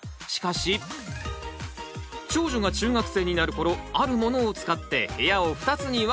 しかし長女が中学生になる頃あるものを使って部屋を２つに分けたという。